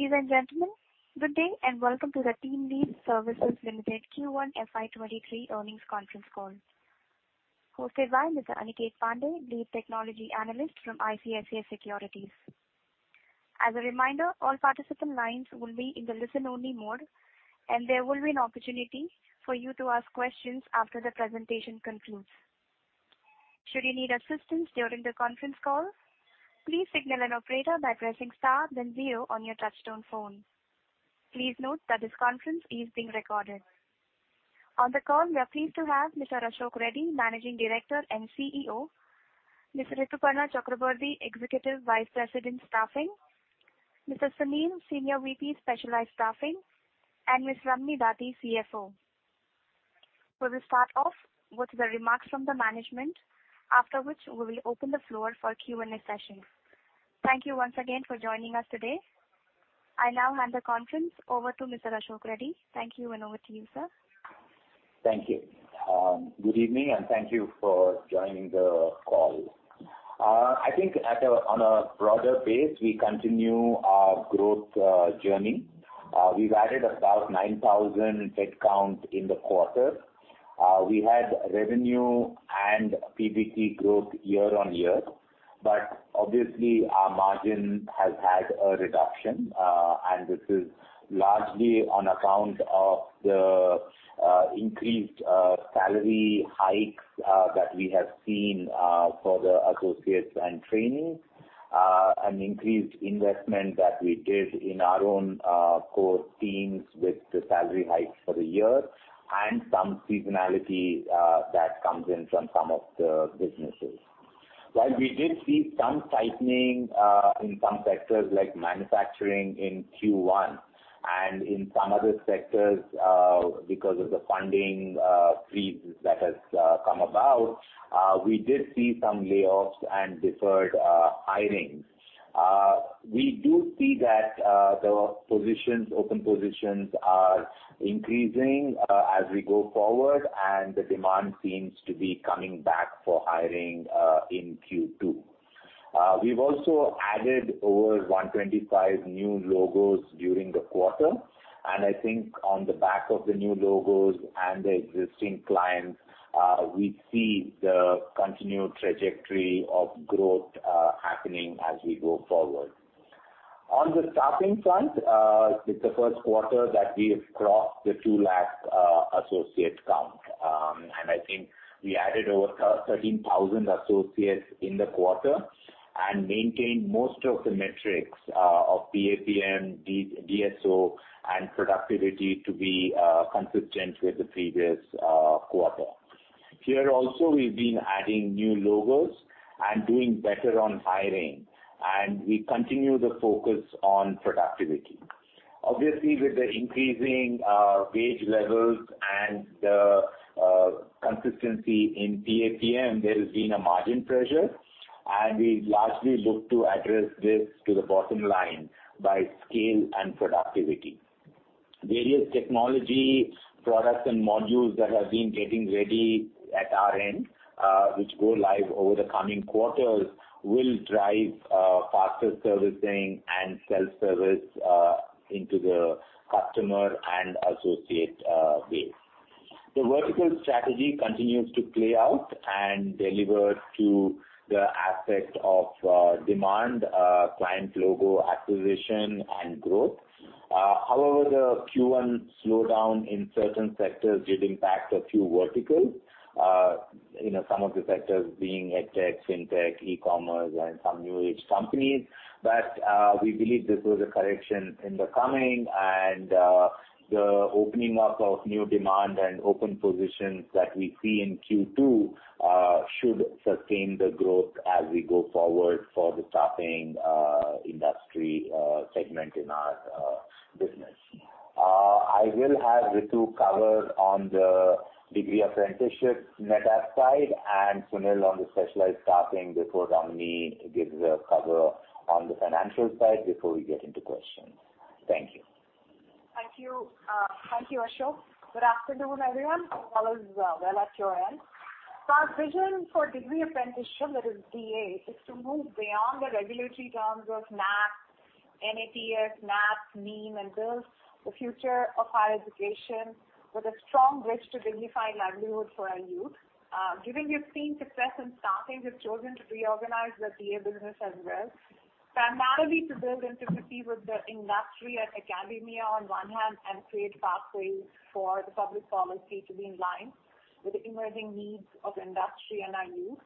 Ladies and gentlemen, good day and welcome to the TeamLease Services Limited Q1 FY 2023 earnings conference call. Host today is Mr. Aniket Pande, Lead Technology Analyst from ICICI Securities. As a reminder, all participant lines will be in the listen-only mode, and there will be an opportunity for you to ask questions after the presentation concludes. Should you need assistance during the conference call, please signal an operator by pressing star then zero on your touch-tone phone. Please note that this conference is being recorded. On the call, we are pleased to have Mr. Ashok Reddy, Managing Director and CEO, Ms. Rituparna Chakraborty, Executive Vice President, Staffing, Mr. Sunil, Senior VP, Specialized Staffing, and Ms. Ramani Dathi, CFO. We will start off with the remarks from the management, after which we will open the floor for Q&A session. Thank you once again for joining us today. I now hand the conference over to Mr. Ashok Reddy. Thank you, and over to you, sir. Thank you. Good evening, and thank you for joining the call. I think on a broader base, we continue our growth journey. We've added about 9,000 headcount in the quarter. We had revenue and PBT growth year-on-year. Obviously our margin has had a reduction, and this is largely on account of the increased salary hikes that we have seen for the associates and training. An increased investment that we did in our own core teams with the salary hikes for the year and some seasonality that comes in from some of the businesses. While we did see some tightening in some sectors like manufacturing in Q1 and in some other sectors because of the funding freeze that has come about, we did see some layoffs and deferred hiring. We do see that the positions, open positions are increasing as we go forward, and the demand seems to be coming back for hiring in Q2. We've also added over 125 new logos during the quarter. I think on the back of the new logos and the existing clients, we see the continued trajectory of growth happening as we go forward. On the staffing front, it's the first quarter that we have crossed the 2 lakh associate count. I think we added over 13,000 associates in the quarter and maintained most of the metrics of PAPM, DSO, and productivity to be consistent with the previous quarter. Here also we've been adding new logos and doing better on hiring, and we continue the focus on productivity. Obviously, with the increasing wage levels and the consistency in PAPM, there has been a margin pressure, and we largely look to address this to the bottom line by scale and productivity. Various technology products and modules that have been getting ready at our end, which go live over the coming quarters, will drive faster servicing and self-service into the customer and associate base. The vertical strategy continues to play out and deliver to the aspect of demand, client logo acquisition and growth. However, the Q1 slowdown in certain sectors did impact a few verticals. You know, some of the sectors being EdTech, Fintech, eCommerce, and some new age companies. We believe this was a correction in the making, and the opening up of new demand and open positions that we see in Q2 should sustain the growth as we go forward for the staffing industry segment in our business. I will have Ritu cover on the Degree Apprenticeship side and Sunil on the specialized staffing before Ramani gives the cover on the financial side before we get into questions. Thank you. Thank you. Thank you, Ashok. Good afternoon, everyone. Hope all is well at your end. Our vision for Degree Apprenticeship, that is DA, is to move beyond the regulatory terms of NAC, NATS, NEEM, and build the future of higher education with a strong wish to dignify livelihood for our youth. Given we've seen success in staffing, we've chosen to reorganize the DA business as well. Primarily to build intimacy with the industry and academia on one hand and create pathways for the public policy to be in line with the emerging needs of industry and our youth.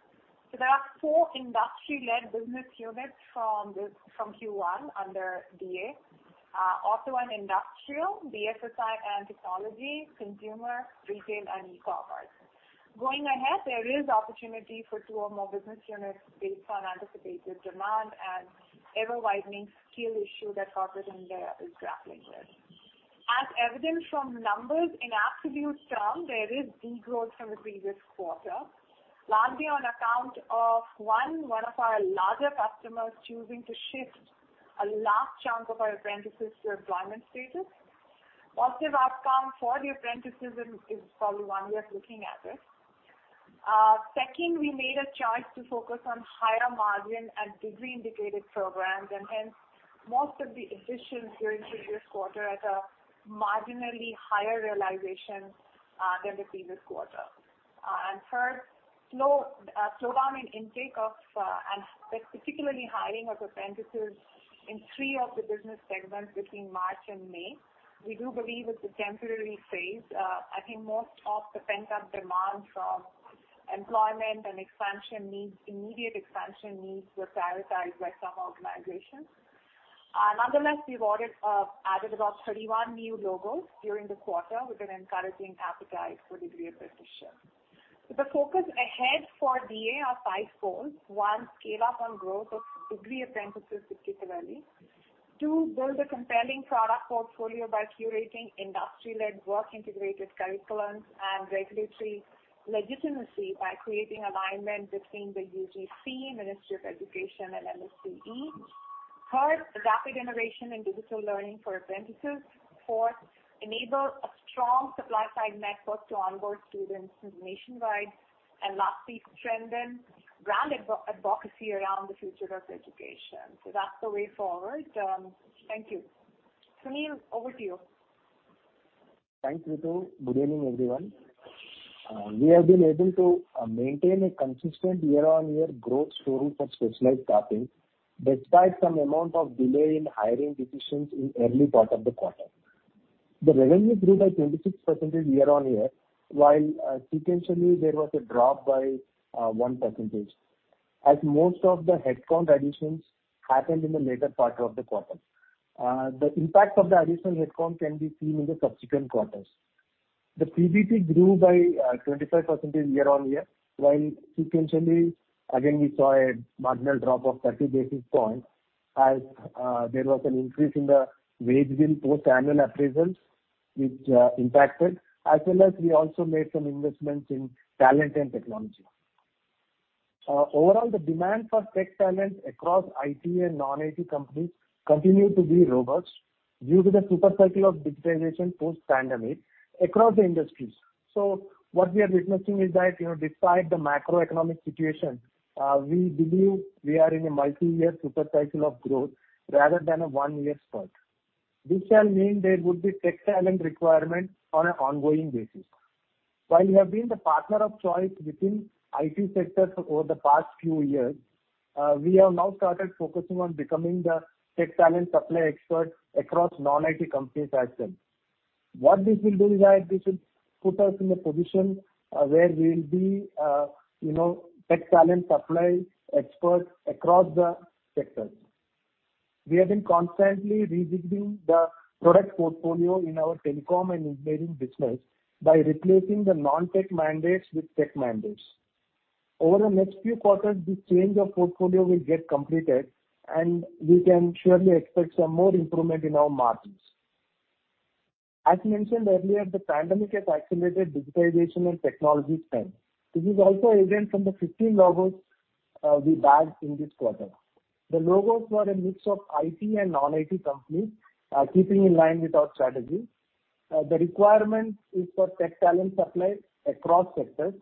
There are four industry-led business units from Q1 under DA. Auto and industrial, BFSI and technology, consumer, retail, and eCommerce. Going ahead, there is opportunity for two or more business units based on anticipated demand and ever-widening skill issue that corporate India is grappling with. As evident from numbers in absolute terms, there is degrowth from the previous quarter, largely on account of one of our larger customers choosing to shift a large chunk of our apprentices to employment status. Positive outcome for the apprentices is how we're looking at it. Second, we made a choice to focus on higher margin and Degree Apprenticeship programs, and hence most of the additions during the previous quarter at a marginally higher realization than the previous quarter. Third, slowdown in intake and particularly hiring of apprentices in three of the business segments between March and May. We do believe it's a temporary phase. I think most of the pent-up demand from employment and expansion needs, immediate expansion needs were prioritized by some organizations. Nonetheless, we've added about 31 new logos during the quarter with an encouraging appetite for Degree Apprenticeships. The focus ahead for DA are five goals. One, scale up on growth of Degree Apprentices particularly. Two, build a compelling product portfolio by curating industry-led work integrated curriculums and regulatory legitimacy by creating alignment between the UGC, Ministry of Education, and MSDE. Third, rapid innovation in digital learning for apprentices. Fourth, enable a strong supply-side network to onboard students nationwide. Lastly, strengthen brand advocacy around the future of education. That's the way forward. Thank you. Sunil, over to you. Thanks, Ritu. Good evening, everyone. We have been able to maintain a consistent year-on-year growth story for specialized staffing, despite some amount of delay in hiring decisions in early part of the quarter. The revenue grew by 26% year-on-year, while sequentially there was a drop by 1%, as most of the headcount additions happened in the later part of the quarter. The impact of the additional headcount can be seen in the subsequent quarters. The PBT grew by 25% year-on-year, while sequentially, again, we saw a marginal drop of 30 basis points as there was an increase in the wage bill post annual appraisals, which impacted, as well as we also made some investments in talent and technology. Overall, the demand for tech talent across IT and non-IT companies continued to be robust due to the super cycle of digitization post-pandemic across the industries. What we are witnessing is that, you know, despite the macroeconomic situation, we believe we are in a multi-year super cycle of growth rather than a 1-year spurt. This shall mean there would be tech talent requirement on an ongoing basis. While we have been the partner of choice within IT sectors over the past few years, we have now started focusing on becoming the tech talent supply expert across non-IT companies as well. What this will do is that this will put us in a position, where we will be, you know, tech talent supply experts across the sectors. We have been constantly revisiting the product portfolio in our telecom and engineering business by replacing the non-tech mandates with tech mandates. Over the next few quarters, this change of portfolio will get completed, and we can surely expect some more improvement in our margins. As mentioned earlier, the pandemic has accelerated digitization and technology spend. This is also evident from the 15 logos we bagged in this quarter. The logos were a mix of IT and non-IT companies, keeping in line with our strategy. The requirement is for tech talent supply across sectors.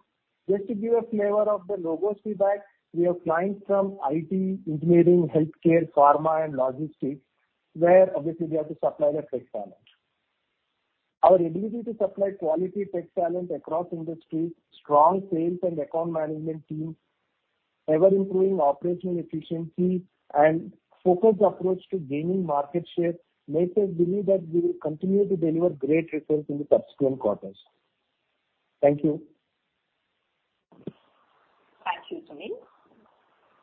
Just to give a flavor of the logos we bagged, we have clients from IT, engineering, healthcare, pharma, and logistics, where obviously we have to supply the tech talent. Our ability to supply quality tech talent across industries, strong sales and account management teams, ever-improving operational efficiency, and focused approach to gaining market share makes us believe that we will continue to deliver great results in the subsequent quarters. Thank you. Thank you, Sunil.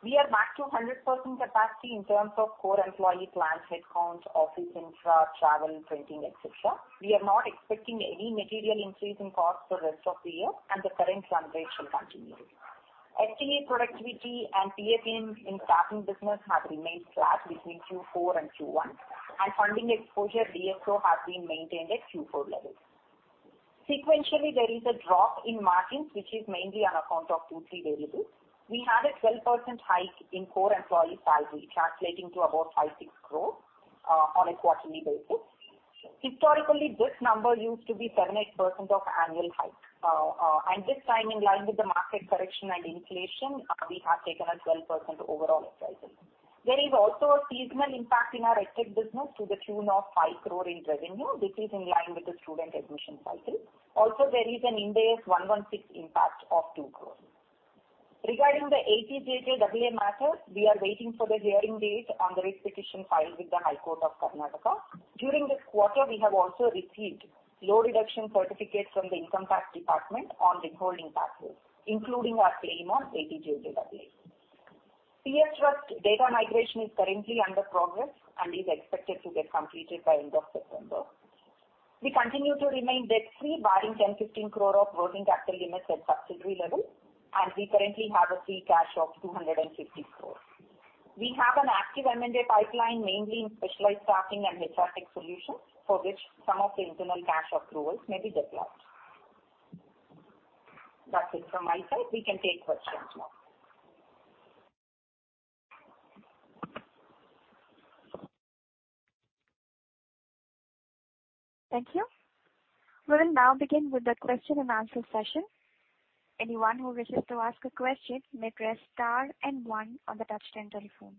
We are back to 100% capacity in terms of core employee plans, headcount, office infra, travel, printing, etc. We are not expecting any material increase in costs for rest of the year, and the current run rate shall continue. FTA productivity and TAPM in staffing business have remained flat between Q4 and Q1, and funding exposure, DSO, has been maintained at Q4 levels. Sequentially, there is a drop in margins, which is mainly on account of two to three variables. We had a 12% hike in core employee salary, translating to about 5 crore-6 crore on a quarterly basis. Historically, this number used to be 7%-8% of annual hike. And this time, in line with the market correction and inflation, we have taken a 12% overall appraisal. There is also a seasonal impact in our EdTech business to the tune of 5 crore in revenue. This is in line with the student admission cycle. There is an Ind AS 116 impact of 2 crore. Regarding the 80JJAA matter, we are waiting for the hearing date on the writ petition filed with the High Court of Karnataka. During this quarter, we have also received Lower Deduction Certificates from the Income Tax Department on withholding taxes, including our claim on 80JJAA. PF Trust data migration is currently in progress and is expected to get completed by end of September. We continue to remain debt-free barring 10 crore-15 crore of working capital limits at subsidiary level, and we currently have a free cash of 250 crore. We have an active M&A pipeline mainly in specialized staffing and HR tech solutions, for which some of the internal cash accruals may be deployed. That's it from my side. We can take questions now. Thank you. We will now begin with the question and answer session. Anyone who wishes to ask a question may press star and one on the touch-tone telephone.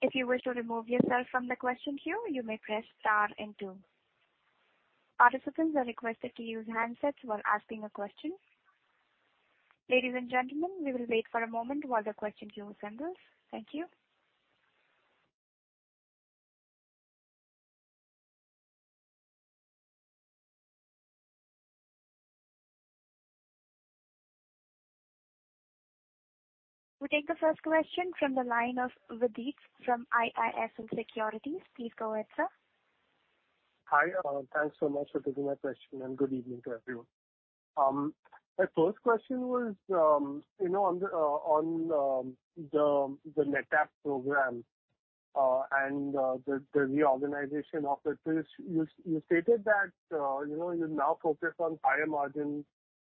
If you wish to remove yourself from the question queue, you may press star and two. Participants are requested to use handsets while asking a question. Ladies and gentlemen, we will wait for a moment while the question queue assembles. Thank you. We take the first question from the line of Vidit from IIFL Securities. Please go ahead, sir. Hi, thanks so much for taking my question, and good evening to everyone. My first question was, you know, on the NETAP program, and the reorganization of it, you stated that, you know, you now focus on higher margin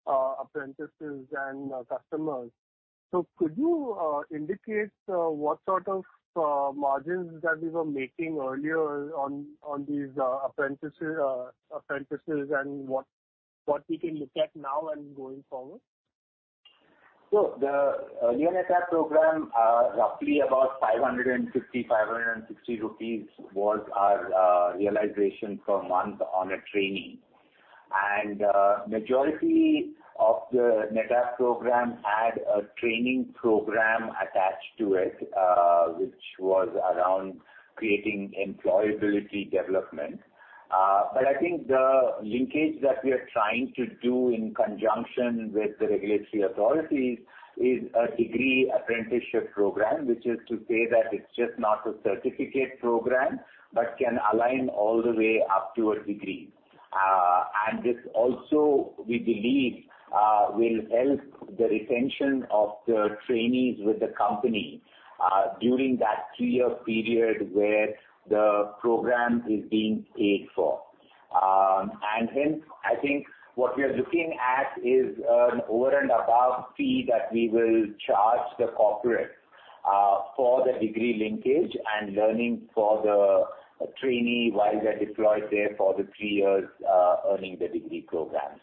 apprentices and customers. Could you indicate what sort of margins that we were making earlier on these apprentices and what we can look at now and going forward? The new NETAP program, roughly 550-560 rupees was our realization per month on a training. Majority of the NETAP program had a training program attached to it, which was around creating employability development. I think the linkage that we are trying to do in conjunction with the regulatory authorities is a Degree Apprenticeship program, which is to say that it's just not a certificate program, but can align all the way up to a degree. This also, we believe, will help the retention of the trainees with the company, during that 3-year period where the program is being paid for. Hence, I think what we are looking at is an over and above fee that we will charge the corporate, for the degree linkage and learning for the trainee while they're deployed there for the three years, earning the degree program.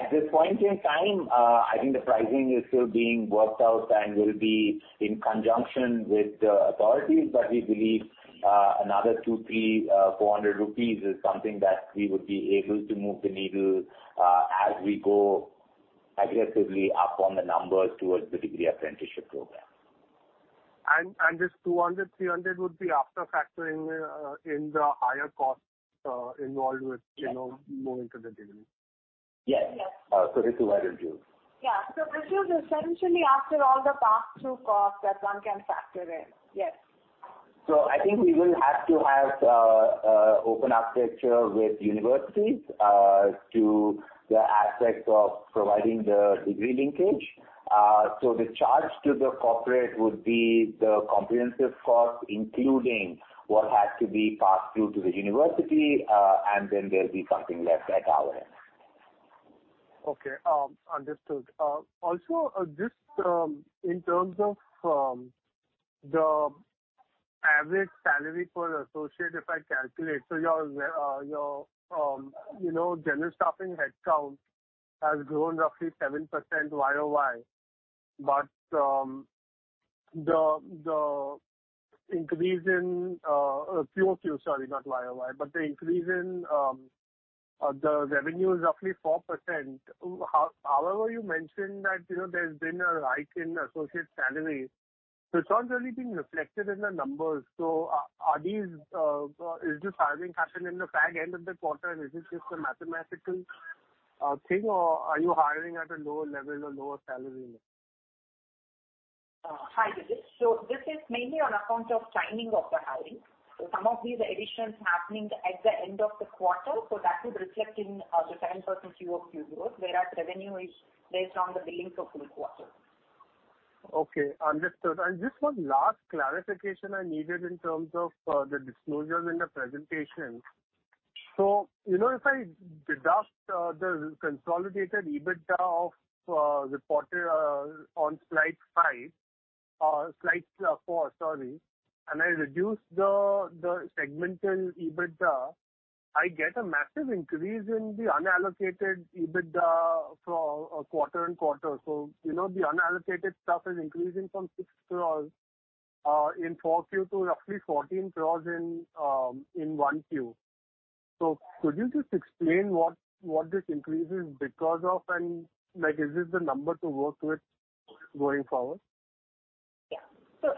At this point in time, I think the pricing is still being worked out and will be in conjunction with the authorities. We believe, another 200, INR 300,and 400 rupees is something that we would be able to move the needle, as we go aggressively up on the numbers towards the Degree Apprenticeship program. This 200-300 would be after factoring in the higher costs involved with, you know, moving to the degree. Yes. This is what it is. Yeah. This is essentially after all the pass-through costs that one can factor in. Yes. I think we will have to have open architecture with universities to the aspect of providing the degree linkage. The charge to the corporate would be the comprehensive cost, including what has to be passed through to the university, and then there'll be something left at our end. Okay. Understood. Also, just in terms of the average salary per associate, if I calculate. Your general staffing headcount has grown roughly 7% YoY. The increase in quarter-over-quarter, sorry, not year-over-year, but the increase in the revenue is roughly 4%. However, you mentioned that, you know, there's been a hike in associate salaries. It's not really being reflected in the numbers. Are these is this hiring happened in the back end of the quarter and is it just a mathematical thing, or are you hiring at a lower level or lower salary mix? Hi, Vidit. This is mainly on account of timing of the hiring. Some of these additions happening at the end of the quarter, so that would reflect in the 10% QoQ growth, whereas revenue is based on the billings of full quarter. Okay. Understood. Just one last clarification I needed in terms of the disclosures in the presentation. You know, if I deduct the consolidated EBITDA of the quarter on slide four, sorry, and I reduce the segmental EBITDA, I get a massive increase in the unallocated EBITDA for quarter and quarter. You know, the unallocated stuff is increasing from 6 crore in 4Q to roughly 14 crore in 1Q. Could you just explain what this increase is because of, and, like, is this the number to work with going forward?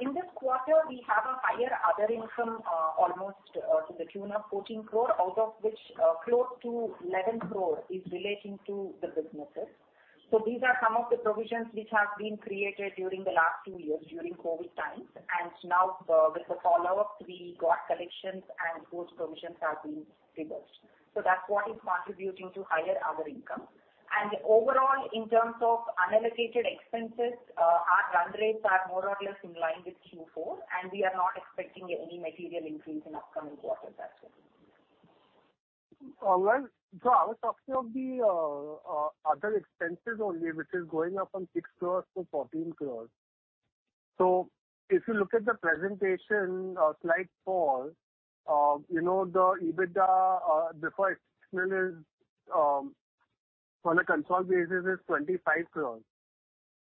In this quarter, we have a higher other income, almost to the tune of 14 crore, out of which close to 11 crore is relating to the businesses. These are some of the provisions which have been created during the last two years during COVID times. Now, with the follow-up, we got collections and those provisions have been reversed. That's what is contributing to higher other income. Overall, in terms of unallocated expenses, our run rates are more or less in line with Q4, and we are not expecting any material increase in upcoming quarters as well. I was talking of the other expenses only, which is going up from 6 crore-14 crore. If you look at the presentation, slide four, you know, the EBITDA before is on a consolidated basis 25 crore,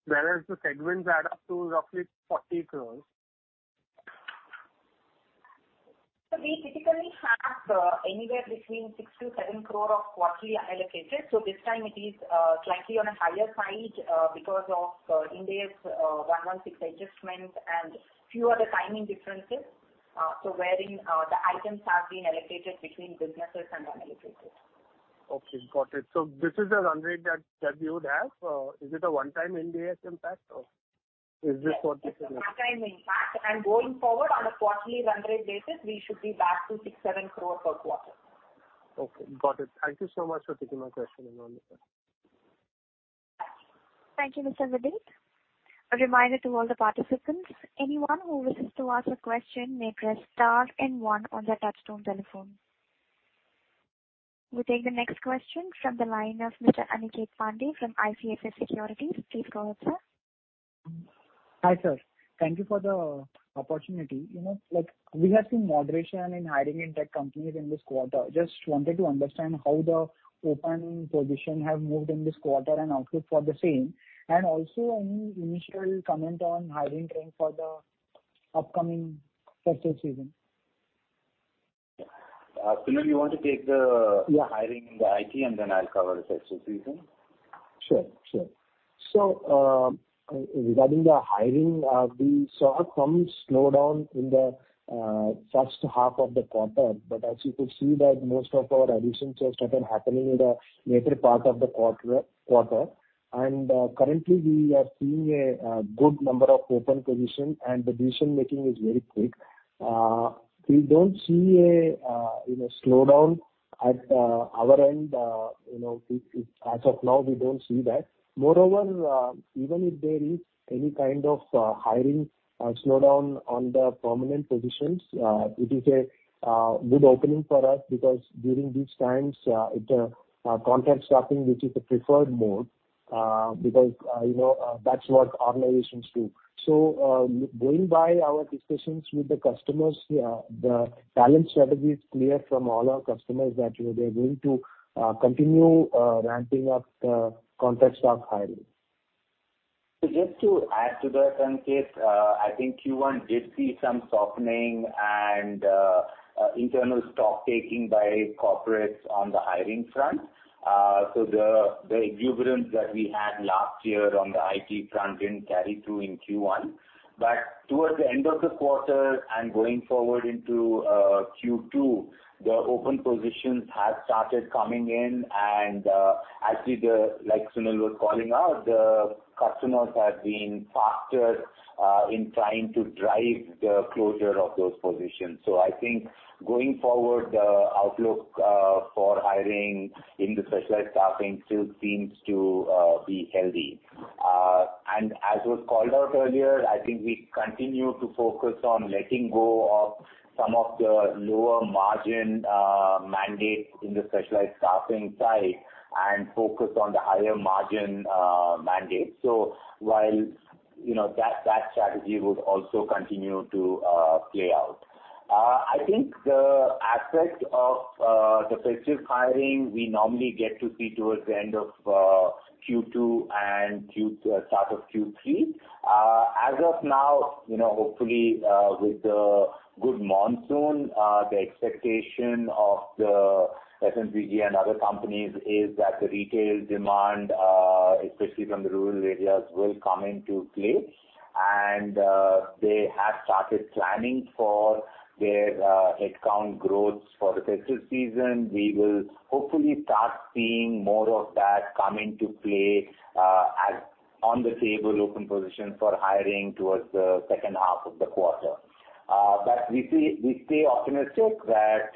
whereas the segments add up to roughly 40 crore. We typically have anywhere between 6 crore-7 crore of quarterly allocated. This time it is slightly on a higher side because of Ind AS 116 adjustments and few other timing differences, wherein the items have been allocated between businesses and unallocated. Okay, got it. This is a run rate that you would have. Is it a one-time Ind AS impact or is this what? Yes, it's a one-time impact. Going forward on a quarterly run rate basis, we should be back to 6 crore-7 crore per quarter. Okay, got it. Thank you so much for taking my question. Thank you, Mr. Vidit. A reminder to all the participants, anyone who wishes to ask a question may press star and one on their touch-tone telephone. We'll take the next question from the line of Mr. Aniket Pande from ICICI Securities. Please go ahead, sir. Hi, sir. Thank you for the opportunity. You know, like, we have seen moderation in hiring in tech companies in this quarter. Just wanted to understand how the open positions have moved in this quarter and outlook for the same. Also any initial comment on hiring trend for the upcoming festival season. Sunil, you want to take the. Yeah. Hiring in the IT, and then I'll cover the festival season. Sure. Regarding the hiring, we saw some slowdown in the first half of the quarter. As you could see that most of our additions have started happening in the latter part of the quarter. Currently we are seeing a good number of open position and decision-making is very quick. We don't see, you know, a slowdown at our end. You know, as of now, we don't see that. Moreover, even if there is any kind of hiring slowdown on the permanent positions, it is a good opening for us because during these times, contract staffing, which is the preferred mode, because you know that's what organizations do. Going by our discussions with the customers, the talent strategy is clear from all our customers that, you know, they're going to continue ramping up the contract staff hiring. Just to add to that, Aniket, I think Q1 did see some softening and internal stock taking by corporates on the hiring front. The exuberance that we had last year on the IT front didn't carry through in Q1. Towards the end of the quarter and going forward into Q2, the open positions have started coming in and, like Sunil was calling out, the customers have been faster in trying to drive the closure of those positions. I think going forward, the outlook for hiring in the specialized staffing still seems to be healthy. As was called out earlier, I think we continue to focus on letting go of some of the lower margin mandate in the specialized staffing side and focus on the higher margin mandate. While, you know, that strategy would also continue to play out. I think the aspect of the festive hiring we normally get to see towards the end of Q2 and start of Q3. As of now, you know, hopefully, with the good monsoon, the expectation of the FMCG and other companies is that the retail demand, especially from the rural areas, will come into play. They have started planning for their headcount growth for the festive season. We will hopefully start seeing more of that coming to play, as open positions on the table for hiring towards the second half of the quarter. We see, we stay optimistic that,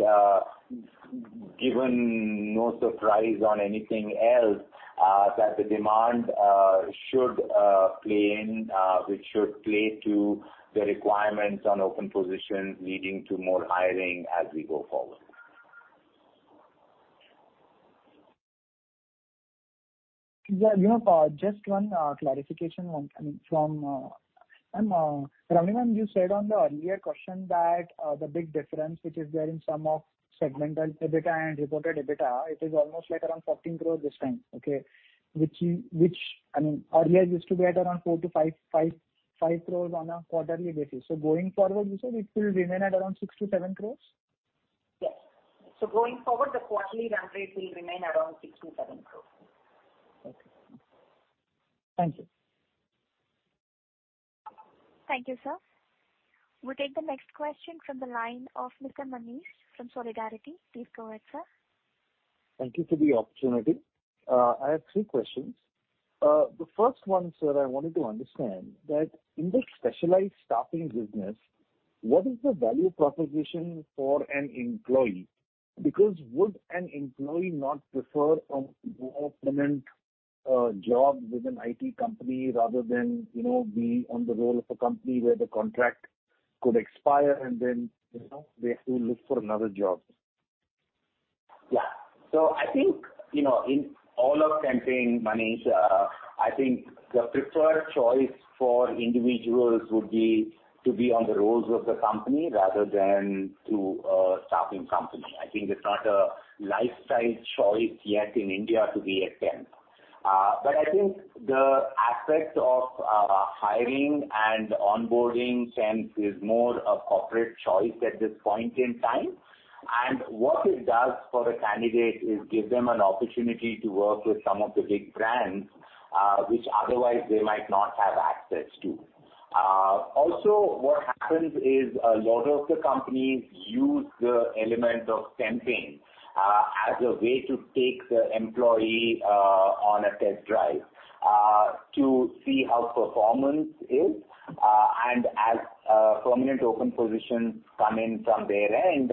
given no surprise on anything else, that the demand should play in, which should play to the requirements on open positions leading to more hiring as we go forward. Yeah. You know, just one clarification on I mean, from ma'am, Ramani ma'am you said on the earlier question that the big difference which is there in sum of segmental EBITDA and reported EBITDA, it is almost like around 14 crore this time, okay? I mean earlier used to be at around 4 crore-5 crore on a quarterly basis. Going forward, you said it will remain at around 6 crore-7 crore? Yes. Going forward, the quarterly run rate will remain around 6 crore-7 crore. Okay. Thank you. Thank you, sir. We'll take the next question from the line of Mr. Manish from Solidarity. Please go ahead, sir. Thank you for the opportunity. I have three questions. The first one, sir, I wanted to understand that in the specialized staffing business, what is the value proposition for an employee? Because would an employee not prefer a more permanent job with an IT company rather than, you know, be on the rolls of a company where the contract could expire and then, you know, they have to look for another job? Yeah. I think, you know, in all of temping, Manish, I think the preferred choice for individuals would be to be on the rolls of the company rather than through a staffing company. I think it's not a lifestyle choice yet in India to be a temp. I think the aspect of hiring and onboarding temps is more a corporate choice at this point in time. What it does for a candidate is give them an opportunity to work with some of the big brands, which otherwise they might not have access to. Also what happens is a lot of the companies use the element of temping as a way to take the employee on a test drive to see how performance is. As permanent open positions come in from their end,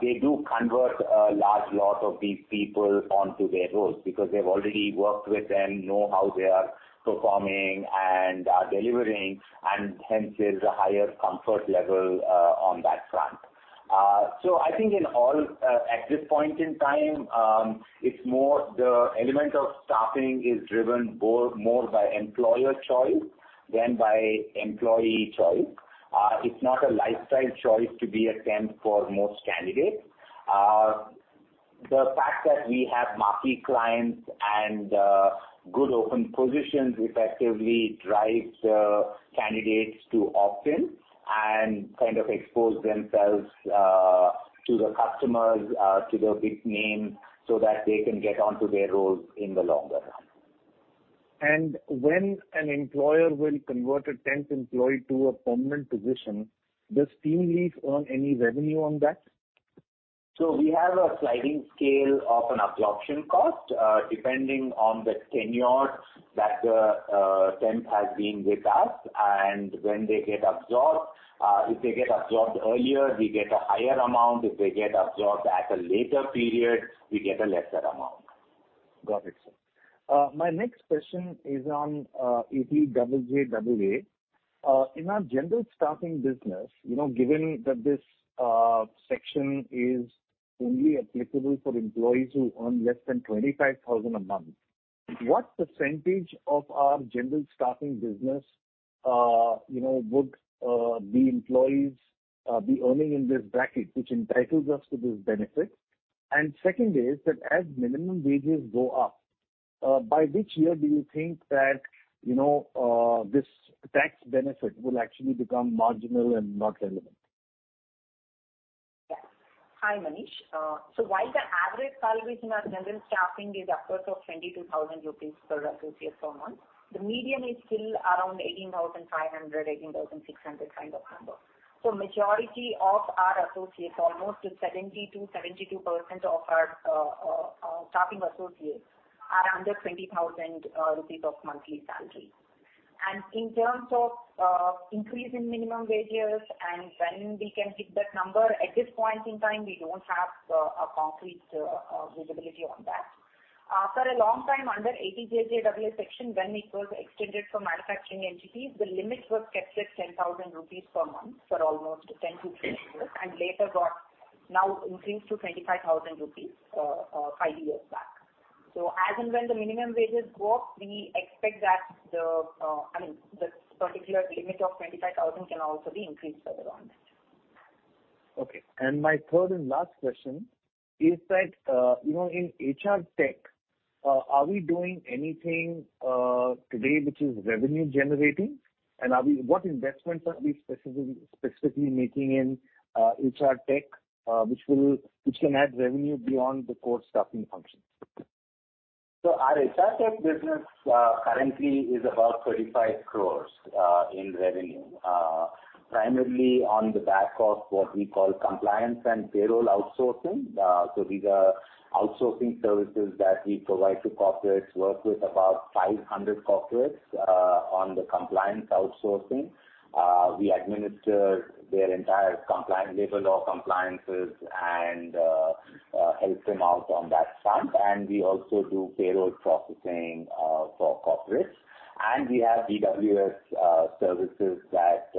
they do convert a large lot of these people onto their roles because they've already worked with them, know how they are performing and delivering, and hence there's a higher comfort level on that front. I think in all, at this point in time, it's more the element of staffing is driven more by employer choice than by employee choice. It's not a lifestyle choice to be a temp for most candidates. The fact that we have marquee clients and good open positions effectively drives the candidates to opt in and kind of expose themselves to the customers to the big name, so that they can get onto their roles in the longer run. When an employer will convert a temp employee to a permanent position, does TeamLease earn any revenue on that? We have a sliding scale of an absorption cost, depending on the tenure that the temp has been with us. When they get absorbed, if they get absorbed earlier, we get a higher amount. If they get absorbed at a later period, we get a lesser amount. Got it, sir. My next question is on 80JJAA. In our general staffing business, you know, given that this section is only applicable for employees who earn less than 25,000 a month, what percentage of our general staffing business, you know, would the employees be earning in this bracket, which entitles us to this benefit? Second is that as minimum wages go up, by which year do you think that, you know, this tax benefit will actually become marginal and not relevant? Yeah. Hi, Manish. While the average salary in our general staffing is upwards of 22,000 rupees per associate per month, the median is still around 18,500, 18,600 kind of number. Majority of our associates, almost 70%-72% of our staffing associates are under 20,000 rupees of monthly salary. In terms of increase in minimum wages and when we can hit that number, at this point in time, we don't have a concrete visibility on that. For a long time under 80JJAA section, when it was extended for manufacturing entities, the limit was kept at 10,000 rupees per month for almost 10-12 years, and later got now increased to 25,000 rupees five years back. As and when the minimum wages go up, we expect that the, I mean, this particular limit of 25,000 can also be increased further on that. Okay. My third and last question is that, you know, in HR tech, are we doing anything today which is revenue generating? What investments are we specifically making in HR tech, which can add revenue beyond the core staffing function? Our HR tech business currently is about 35 crore in revenue, primarily on the back of what we call compliance and payroll outsourcing. These are outsourcing services that we provide to corporates. Work with about 500 corporates on the compliance outsourcing. We administer their entire compliance, labor law compliances and help them out on that front. We also do payroll processing for corporates. We have BPO services that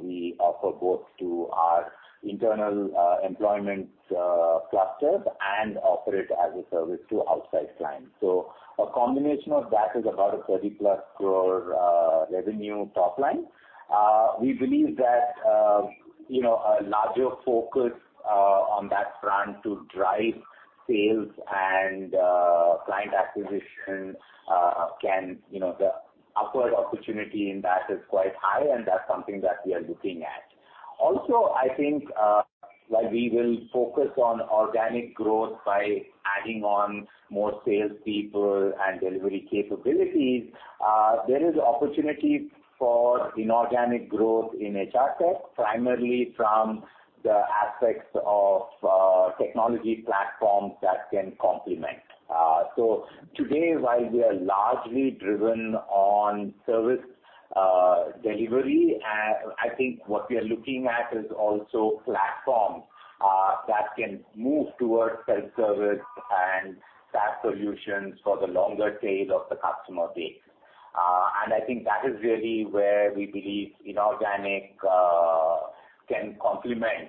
we offer both to our internal employment clusters and operate as a service to outside clients. A combination of that is about a 30+ crore revenue top line. We believe that, you know, a larger focus on that front to drive sales and client acquisition can, you know, the upside opportunity in that is quite high, and that's something that we are looking at. Also, I think while we will focus on organic growth by adding on more sales people and delivery capabilities, there is opportunity for inorganic growth in HR tech, primarily from the aspects of technology platforms that can complement. Today, while we are largely driven on service delivery, I think what we are looking at is also platforms that can move towards self-service. SaaS solutions for the longer tail of the customer base. I think that is really where we believe inorganic can complement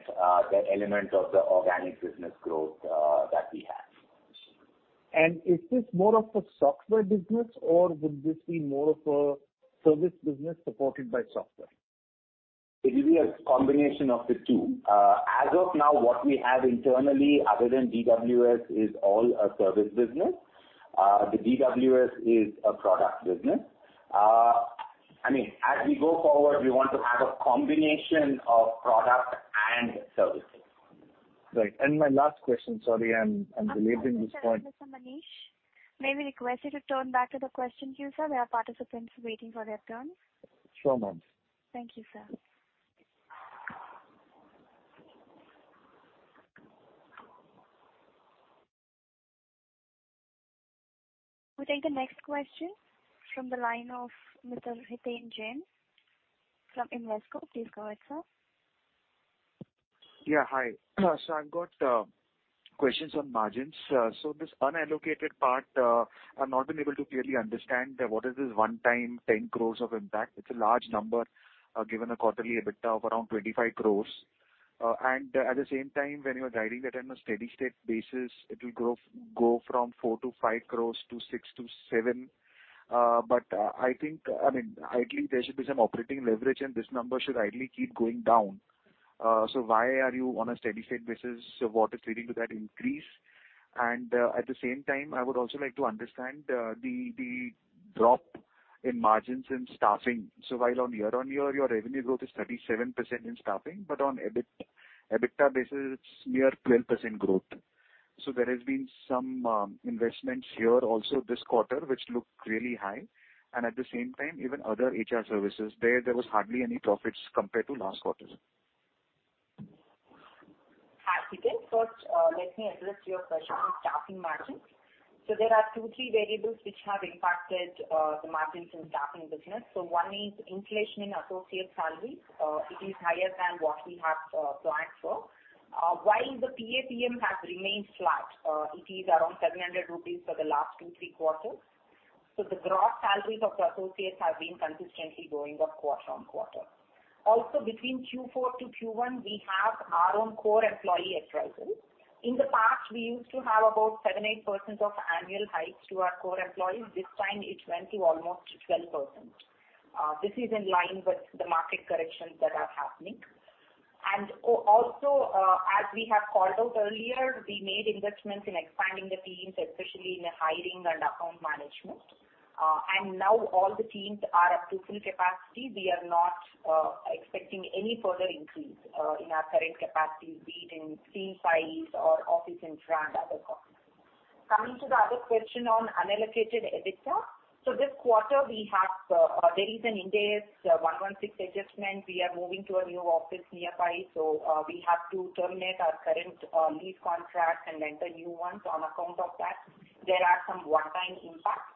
the element of the organic business growth that we have. Is this more of a software business or would this be more of a service business supported by software? It will be a combination of the two. As of now, what we have internally other than DWS is all a service business. The DWS is a product business. I mean, as we go forward, we want to have a combination of product and services. Right. My last question. Sorry, I'm delayed at this point. Mr. Manish, may we request you to turn back to the question queue, sir? We have participants waiting for their turns. Sure, ma'am. Thank you, sir. We take the next question from the line of Mr. Hiten Jain from Invesco. Please go ahead, sir. Yeah, hi. I've got questions on margins. This unallocated part, I've not been able to clearly understand that what is this one-time 10 crore of impact. It's a large number, given a quarterly EBITDA of around 25 crore. At the same time, when you are guiding that on a steady-state basis, it will go from 4 crore-5 crore to 6-7 crore. I think, I mean, ideally, there should be some operating leverage and this number should ideally keep going down. Why are you on a steady-state basis? What is leading to that increase? At the same time, I would also like to understand the drop in margins in staffing. While on year-on-year your revenue growth is 37% in staffing, but on EBIT-EBITDA basis it's near 12% growth. There has been some investments here also this quarter, which look really high. At the same time, even other HR services, there was hardly any profits compared to last quarter. Hi, Hiten. First, let me address your question on staffing margins. There are two to thear variables which have impacted the margins in staffing business. One is inflation in associate salaries. It is higher than what we have planned for. While the PAPM has remained flat, it is around 700 rupees for the last two to three quarters. The gross salaries of the associates have been consistently going up quarter on quarter. Also, between Q4 to Q1, we have our own core employee hikes. In the past, we used to have about 7%-8% annual hikes to our core employees. This time it went to almost 12%. This is in line with the market corrections that are happening. Also, as we have called out earlier, we made investments in expanding the teams, especially in the hiring and account management. Now all the teams are up to full capacity. We are not expecting any further increase in our current capacity, be it in team size or office rent and other costs. Coming to the other question on unallocated EBITDA. This quarter, there is an Ind AS 116 adjustment. We are moving to a new office nearby. We have to terminate our current lease contract and enter new ones. On account of that, there are some one-time impacts.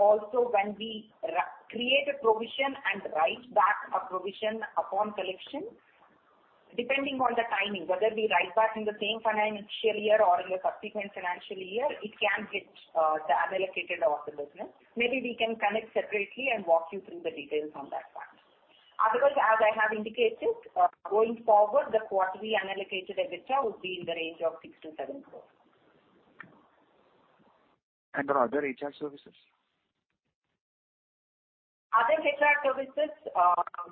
Also when we re-create a provision and write back a provision upon collection, depending on the timing, whether we write back in the same financial year or in a subsequent financial year, it can hit the unallocated of the business. Maybe we can connect separately and walk you through the details on that front. Otherwise, as I have indicated, going forward, the quarterly unallocated EBITDA would be in the range of 6 crore-7 crore. Other HR services? Other HR services,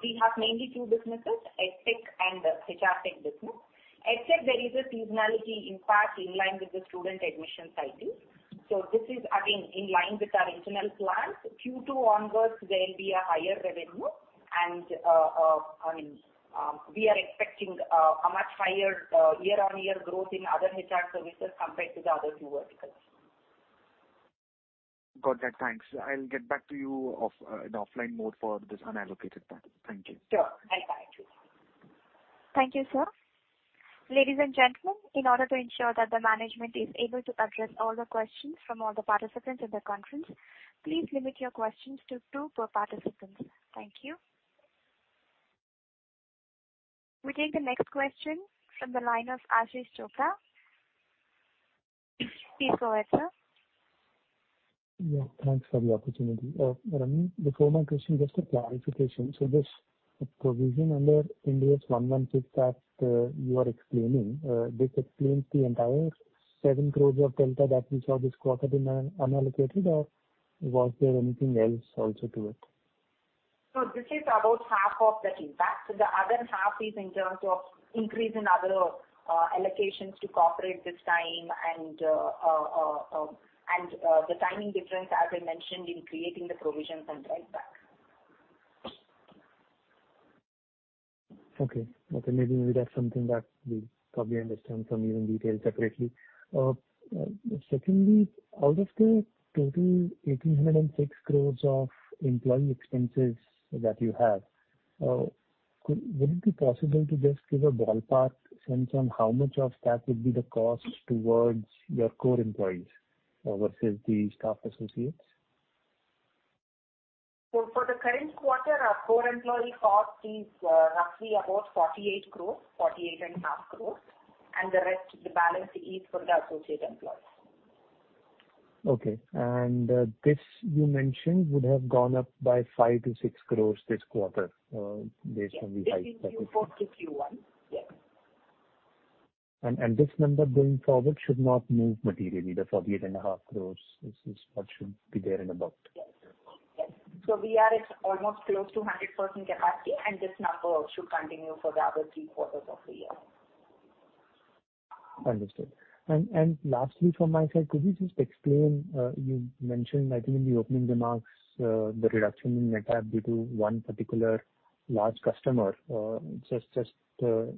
we have mainly two businesses, EdTech and HRTech business. EdTech, there is a seasonality impact in line with the student admission cycles. This is again in line with our internal plans. Q2 onwards, there will be a higher revenue and, I mean, we are expecting a much higher year-on-year growth in other HR services compared to the other two verticals. Got that. Thanks. I'll get back to you offline for this unallocated part. Thank you. Sure. I'll guide you. Thank you, sir. Ladies and gentlemen, in order to ensure that the management is able to address all the questions from all the participants in the conference, please limit your questions to two per participant. Thank you. We take the next question from the line of Ashish Chopra. Please go ahead, sir. Yeah, thanks for the opportunity. Ramani, before my question, just a clarification. This provision under Ind AS 116 that you are explaining explains the entire 7 crore of delta that we saw this quarter in unallocated or was there anything else also to it? This is about half of that impact. The other half is in terms of increase in other allocations to corporate this time and the timing difference, as I mentioned, in creating the provisions and write back. Okay, maybe that's something that we probably understand from you in detail separately. Secondly, out of the total 1,806 crore of employee expenses that you have, would it be possible to just give a ballpark sense on how much of that would be the cost towards your core employees versus the staff associates? For the current quarter, our core employee cost is roughly about 48 crore, 48.5 crore, and the rest, the balance is for the associate employees. Okay. This you mentioned would have gone up by 5 crore-6 crore this quarter, based on the high. Yes. This is Q4 to Q1. Yes. This number going forward should not move materially. The 48.5 crore is what should be there and about. Yes. Yes. We are at almost close to 100% capacity, and this number should continue for the other three quarters of the year. Understood. Lastly from my side, could you just explain, you mentioned, I think in the opening remarks, the reduction in NETAP due to one particular large customer. Just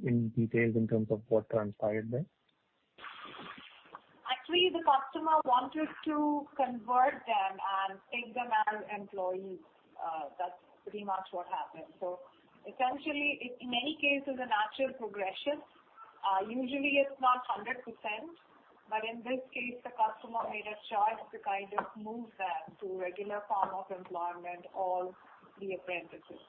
in details in terms of what transpired there. Actually, the customer wanted to convert them and take them as employees. That's pretty much what happened. Essentially, it in many cases a natural progression. Usually it's not 100%, but in this case, the customer made a choice to kind of move them to regular form of employment or the apprentices.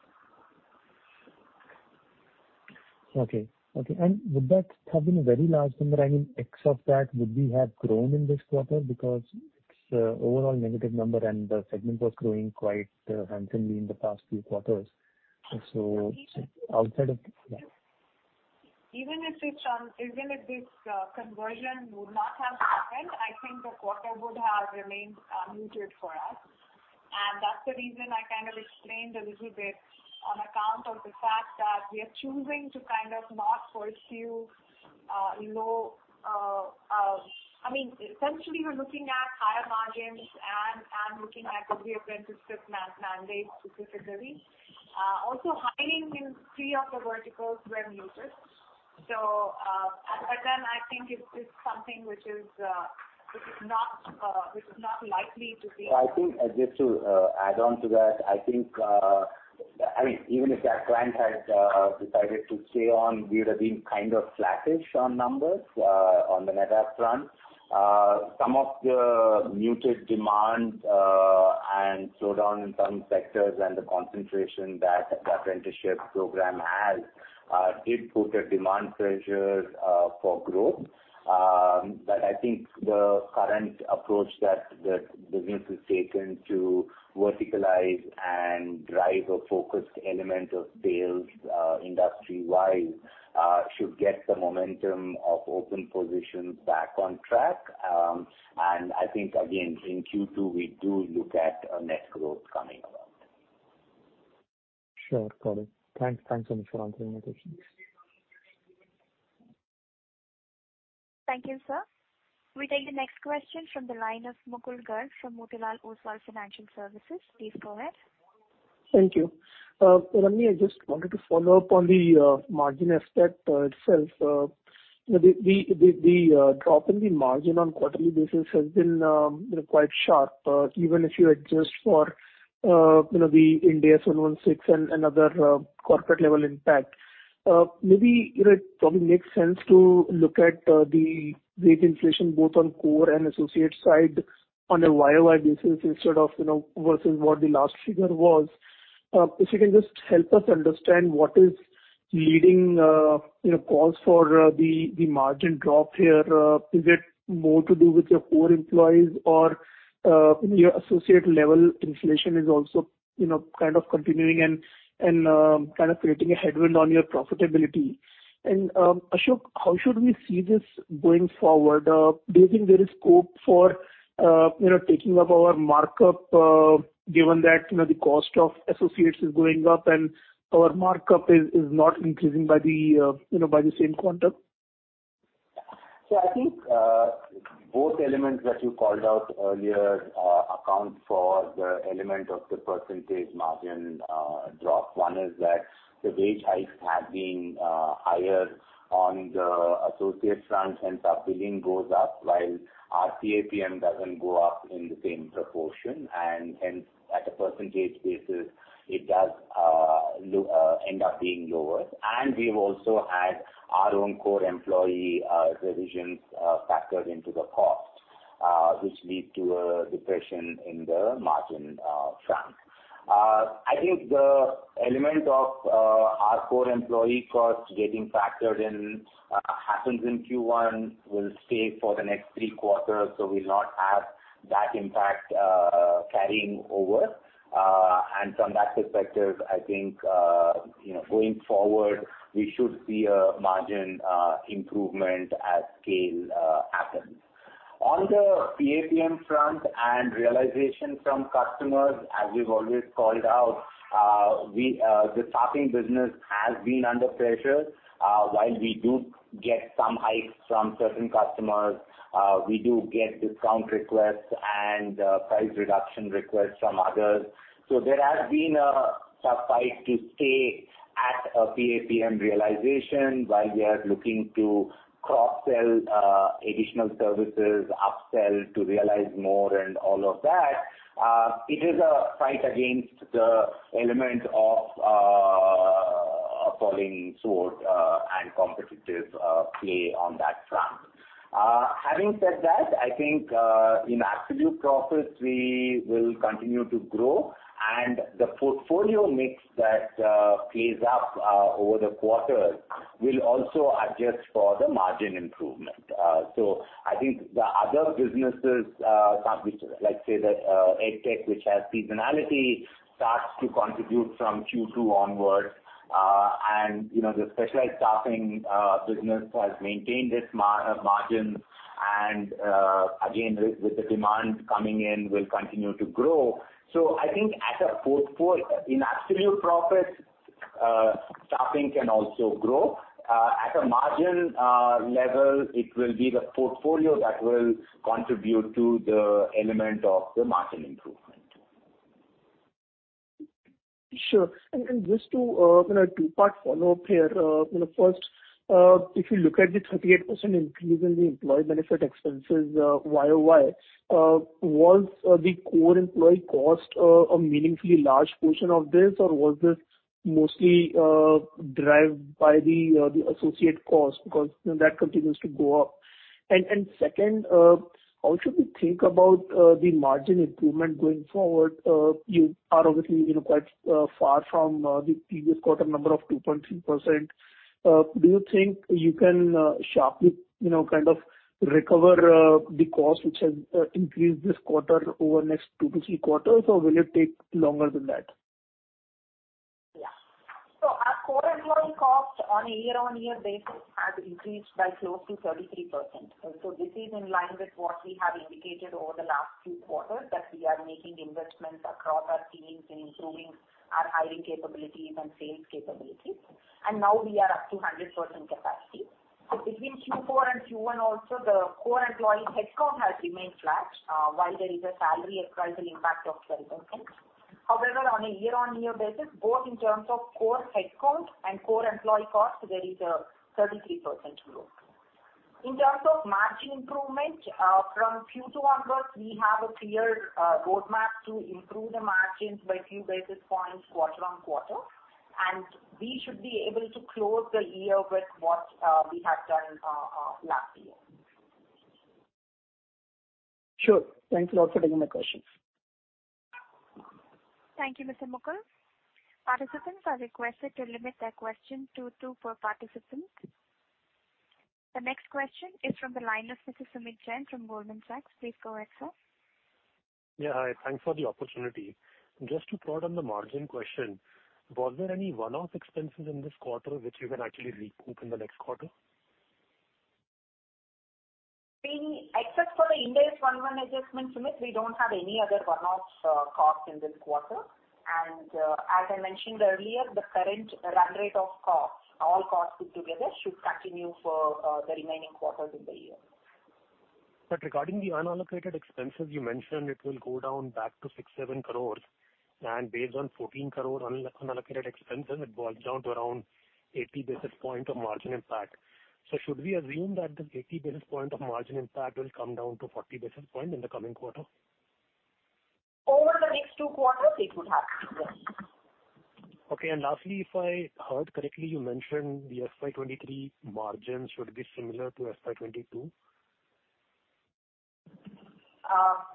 Okay. Would that have been a very large number? I mean, X of that, would we have grown in this quarter because it's overall negative number and the segment was growing quite handsomely in the past few quarters. Yeah. Even if this conversion would not have happened, I think the quarter would have remained muted for us. That's the reason I kind of explained a little bit on account of the fact that we are choosing to kind of not pursue low. I mean, essentially we're looking at higher margins and looking at the apprenticeships mandate specifically. Also hiring in three of the verticals were muted. I think it's something which is not likely to be. I think just to add on to that, I think, I mean, even if that client had decided to stay on, we would have been kind of flattish on numbers on the NETAP front. Some of the muted demand and slowdown in some sectors and the concentration that the apprenticeship program has did put a demand pressure for growth. I think the current approach that the business has taken to verticalize and drive a focused element of sales industry-wide should get the momentum of open positions back on track. I think again, in Q2, we do look at a net growth coming about. Sure. Got it. Thanks. Thanks so much for answering my questions. Thank you, sir. We take the next question from the line of Mukul Garg from Motilal Oswal Financial Services. Please go ahead. Thank you. Ramani, I just wanted to follow up on the margin aspect itself. You know, the drop in the margin on quarterly basis has been, you know, quite sharp, even if you adjust for, you know, the Ind AS 116 and other corporate level impact. Maybe, you know, it probably makes sense to look at the wage inflation both on core and associate side on a YOY basis instead of, you know, versus what the last figure was. If you can just help us understand what is leading, you know, cause for the margin drop here. Is it more to do with your core employees or your associate level inflation is also, you know, kind of continuing and kind of creating a headwind on your profitability? Ashok, how should we see this going forward? Do you think there is scope for, you know, taking up our markup, given that, you know, the cost of associates is going up and our markup is not increasing by the, you know, by the same quantum? I think both elements that you called out earlier account for the element of the percentage margin drop. One is that the wage hike has been higher on the associate front, hence our billing goes up, while our PAPM doesn't go up in the same proportion. Hence, at a percentage basis, it does end up being lower. We've also had our own core employee revisions factored into the cost, which lead to a depression in the margin front. I think the element of our core employee cost getting factored in happens in Q1, will stay for the next three quarters, so we'll not have that impact carrying over. From that perspective, I think you know, going forward, we should see a margin improvement as scale happens. On the PAPM front and realization from customers, as we've always called out, we, the staffing business has been under pressure. While we do get some hikes from certain customers, we do get discount requests and, price reduction requests from others. There has been a tough fight to stay at a PAPM realization while we are looking to cross-sell, additional services, upsell to realize more and all of that. It is a fight against the element of falling short, and competitive play on that front. Having said that, I think, in absolute profits, we will continue to grow, and the portfolio mix that plays up over the quarter will also adjust for the margin improvement. I think the other businesses, like, say that, EdTech, which has seasonality, starts to contribute from Q2 onwards. You know, the specialized staffing business has maintained its margin and, again, with the demand coming in, will continue to grow. I think in absolute profits, staffing can also grow. At a margin level, it will be the portfolio that will contribute to the element of the margin improvement. Sure. Just to, you know, two-part follow-up here. First, if you look at the 38% increase in the employee benefit expenses, YOY, was the core employee cost a meaningfully large portion of this? Or was this mostly derived by the associate cost, because, you know, that continues to go up. Second, how should we think about the margin improvement going forward? You are obviously, you know, quite far from the previous quarter number of 2.3%. Do you think you can sharply, you know, kind of recover the cost which has increased this quarter over the next two to three quarters, or will it take longer than that? Yeah. Our core employee cost on a year-on-year basis has increased by close to 33%. This is in line with what we have indicated over the last few quarters, that we are making investments across our teams in improving our hiring capabilities and sales capabilities. Now we are up to 100% capacity. Between Q4 and Q1 also, the core employee headcount has remained flat, while there is a salary appraisal impact of 30%. However, on a year-on-year basis, both in terms of core headcount and core employee costs, there is a 33% growth. In terms of margin improvement, from Q2 onwards, we have a clear roadmap to improve the margins by a few basis points quarter on quarter, and we should be able to close the year with what we had done last year. Sure. Thanks a lot for taking my questions. Thank you, Mr. Mukul. Participants are requested to limit their questions to two per participant. The next question is from the line of Mr. Sumeet Jain from Goldman Sachs. Please go ahead, sir. Yeah, hi. Thanks for the opportunity. Just to probe on the margin question, was there any one-off expenses in this quarter which you can actually recoup in the next quarter? Except for the Ind AS 116 adjustment, Sumit, we don't have any other one-off costs in this quarter. As I mentioned earlier, the current run rate of costs, all costs put together, should continue for the remaining quarters in the year. Regarding the unallocated expenses you mentioned, it will go down back to 6 crore-7 crore. Based on 14 crore unallocated expenses, it boils down to around 80 basis points of margin impact. Should we assume that this 80 basis point of margin impact will come down to 40 basis point in the coming quarter? Over the next two quarters it would have to, yes. Okay. Lastly, if I heard correctly, you mentioned the FY 2023 margins should be similar to FY 2022.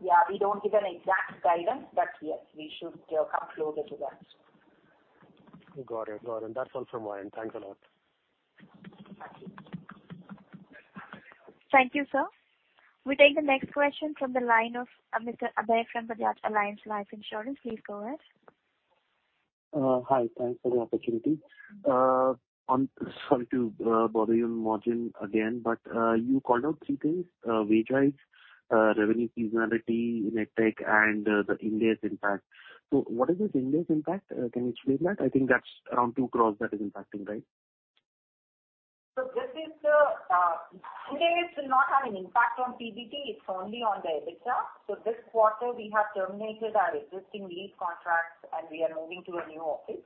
Yeah, we don't give an exact guidance, but yes, we should come closer to that. Got it. Got it. That's all from my end. Thanks a lot. Thank you. Thank you, sir. We take the next question from the line of Mr. Abhay from Bajaj Allianz Life Insurance. Please go ahead. Hi. Thanks for the opportunity. I'm sorry to bother you on margin again, but you called out three things, wage rise, revenue seasonality in EdTech and the Ind AS impact. What is this Ind AS impact? Can you explain that? I think that's around 2 crore that is impacting, right? Ind AS 116 will not have an impact on PBT, it's only on the EBITDA. This quarter we have terminated our existing lease contracts, and we are moving to a new office.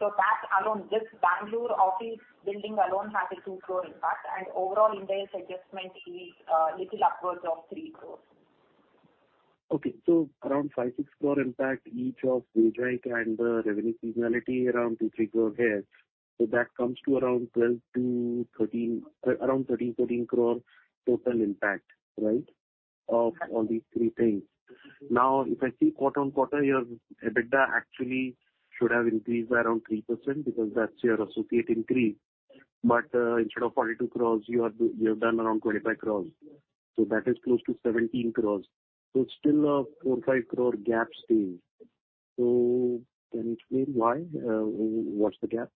That alone, just Bangalore office building alone has a 2 crore impact. Overall, Ind AS 116 adjustment is little upwards of 3 crore. Okay. Around 5 crore-6 crore impact each of wage hike and the revenue seasonality, around 2 crore-3 crore here. That comes to around 12 crore-13 crore, around 13 crore-14 crore total impact, right? Of all these three things. Now, if I see quarter-on-quarter, your EBITDA actually should have increased by around 3% because that's your associate increase. Instead of 42 crore, you have done around 25 crore. That is close to 17 crore. It's still a 4 crore-5 crore gap still. Can you explain why? What's the gap?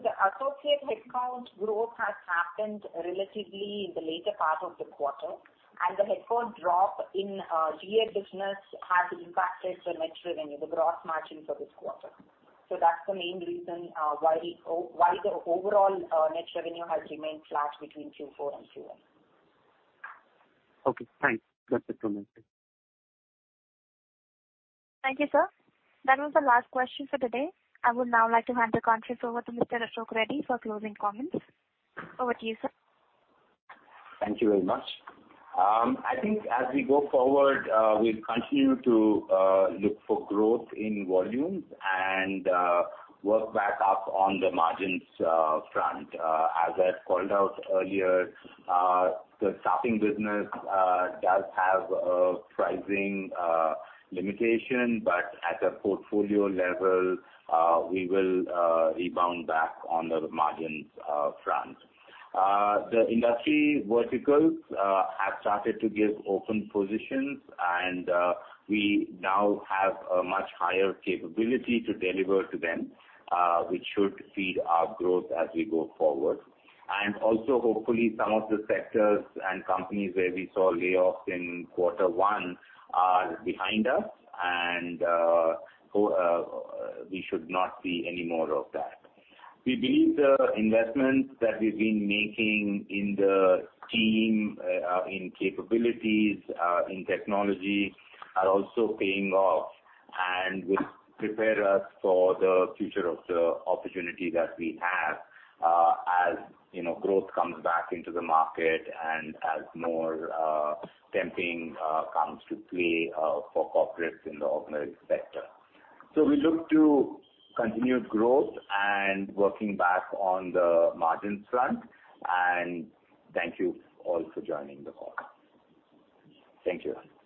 The associate headcount growth has happened relatively in the later part of the quarter, and the headcount drop in GA business has impacted the net revenue, the gross margins for this quarter. That's the main reason why the overall net revenue has remained flat between Q4 and Q1. Okay, thanks. That's it from my side. Thank you, sir. That was the last question for today. I would now like to hand the conference over to Mr. Ashok Reddy for closing comments. Over to you, sir. Thank you very much. I think as we go forward, we'll continue to look for growth in volumes and work back up on the margins front. As I had called out earlier, the staffing business does have a pricing limitation. At a portfolio level, we will rebound back on the margins front. The industry verticals have started to give open positions, and we now have a much higher capability to deliver to them, which should feed our growth as we go forward. Also, hopefully, some of the sectors and companies where we saw layoffs in quarter one are behind us and so we should not see any more of that. We believe the investments that we've been making in the team, in capabilities, in technology, are also paying off and will prepare us for the future of the opportunity that we have, as, you know, growth comes back into the market and as more, temping, comes to play, for corporates in the organized sector. We look to continued growth and working back on the margins front. Thank you all for joining the call. Thank you.